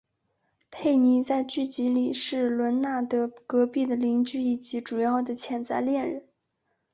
佩妮在剧集里是伦纳德隔壁的邻居以及主要的潜在恋人。